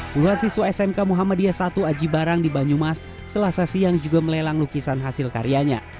puluhan siswa smk muhammadiyah satu aji barang di banyumas selasa siang juga melelang lukisan hasil karyanya